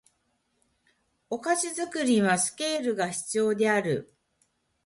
お菓子作りにはスケールが必要である